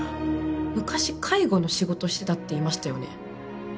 「昔介護の仕事してた」って言いましたよね。